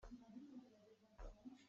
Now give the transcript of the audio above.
Riahbuk kan sak dih cang.